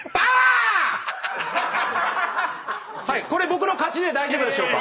僕の勝ちで大丈夫でしょうか？